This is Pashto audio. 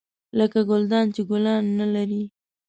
لکه ګلدان چې ګلان نه لري .